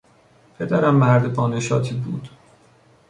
پدرم مرد با نشاطی بود.